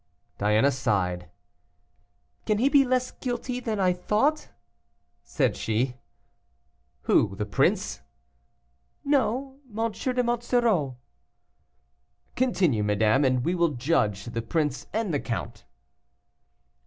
Diana sighed. "Can he be less guilty than I thought?" said she. "Who, the prince?" "No, M. de Monsoreau." "Continue, madame, and we will judge the prince and the count."